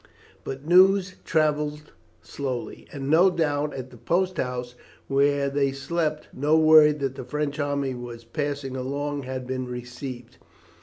"But news travelled slowly, and no doubt, at the post house where they slept, no word that the French army was passing along had been received.